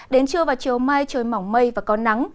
đến trưa và chiều mai trời mỏng mây và có nắng